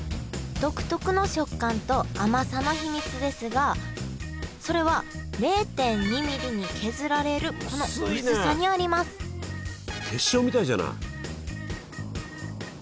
独特の食感と甘さの秘密ですがそれは０．２ミリに削られるこの薄さにあります結晶みたいじゃない。